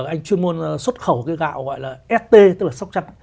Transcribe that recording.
anh chuyên môn xuất khẩu cái gạo gọi là st từ sóc trăng